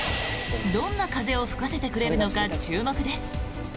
どんな風を吹かせてくれるのか注目です。